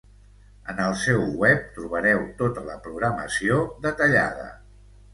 En el seu web trobareu tota la programació detallada.